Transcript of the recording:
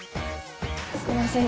すいません